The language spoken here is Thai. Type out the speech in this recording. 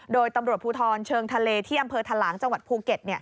โดยตำรวจภูทรเชิงทะเลที่อำเภอทะหลางจังหวัดภูเก็ต